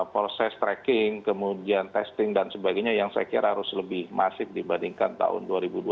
proses tracking kemudian testing dan sebagainya yang saya kira harus lebih masif dibandingkan tahun dua ribu dua puluh